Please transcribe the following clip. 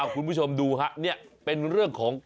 คุณผู้ชมดูฮะนี่เป็นเรื่องของ